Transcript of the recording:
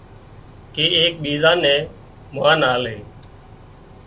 ڪي ايڪ ٻيزان نين مانَ آلي